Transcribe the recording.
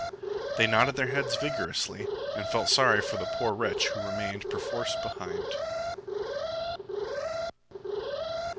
They nodded their heads vigorously and felt sorry for the poor wretch who remained perforce behind.